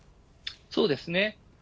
そうですね。